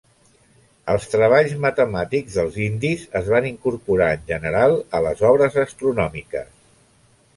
Els treballs matemàtics dels indis es van incorporar en general a les obres astronòmiques.